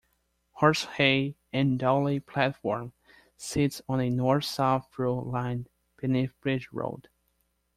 Horsehay and Dawley platform sits on a north-south through line, beneath Bridge Road.